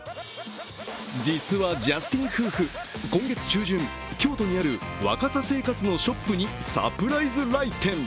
実はジャスティン夫婦、今月中旬、京都にあるわかさ生活のショップにサプライズ来店。